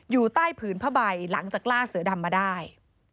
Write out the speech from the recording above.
อยู่ใต้ผืนผ้าใบหลังจากล่าเสือดำมาได้